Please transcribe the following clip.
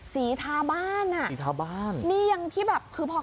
สีทาบ้าน